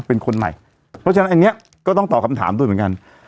เป็นคนใหม่เพราะฉะนั้นอันนี้ก็ต้องตอบคำถามด้วยเหมือนกัน